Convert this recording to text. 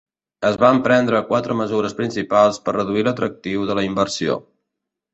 Es van prendre quatre mesures principals per reduir l'atractiu de la inversió.